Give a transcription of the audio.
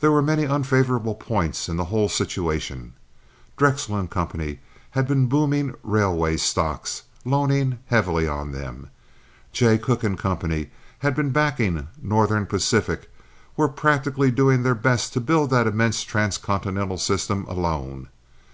There were many unfavorable points in the whole situation. Drexel & Co. had been booming railway stocks—loaning heavily on them. Jay Cooke & Co. had been backing Northern Pacific—were practically doing their best to build that immense transcontinental system alone.